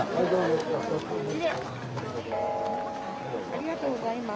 ありがとうございます。